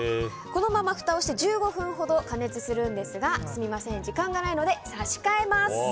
このままふたをして１５分ほど加熱するんですがすみません、時間がないので差し替えます。